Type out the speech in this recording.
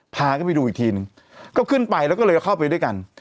พาก็ไปดูอีกทีนึงก็ขึ้นไปแล้วก็เลยเข้าไปด้วยกัน